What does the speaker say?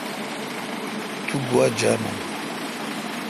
تو گوا جانون۔